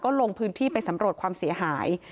ลงพื้นที่ไปสำรวจความเสียหาย